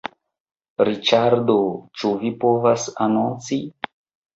Riĉardo, ĉu vi povas anonci?